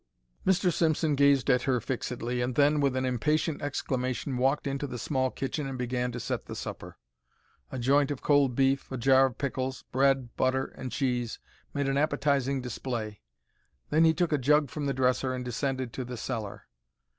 Mr. Simpson gazed at her fixedly, and then, with an impatient exclamation, walked into the small kitchen and began to set the supper. A joint of cold beef, a jar of pickles, bread, butter, and cheese made an appetizing display. Then he took a jug from the dresser and descended to the cellar.